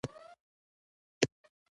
د دې روغتون پاکوالی د ستاینې دی.